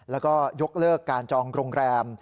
แล้วก็ยกเลิกการจองโรงแรม